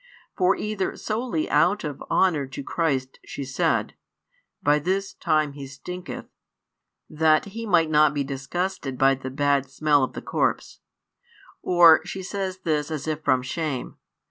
And either solely out of honour to Christ she said: By this time he stinketh; that He might not be disgusted by the bad smell of the corpse: or she says this as if from shame.